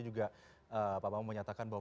juga pak bambang menyatakan bahwa